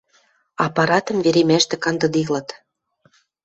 Аппаратым веремӓштӹ кандыделыт.